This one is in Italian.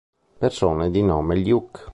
Persone di nome Luc